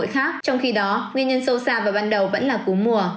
trong khi đó nguyên nhân sâu xa và ban đầu vẫn là cúm mùa